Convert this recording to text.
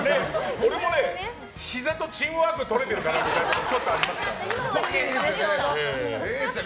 俺もひざとチームワークとれてるかなみたいなところがちょっとありますから。